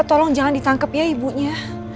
tolong jangan ditangkap ya ibunya